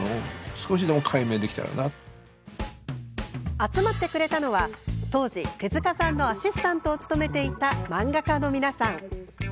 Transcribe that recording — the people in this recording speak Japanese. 集まってくれたのは当時、手塚さんのアシスタントを務めていた漫画家の皆さん。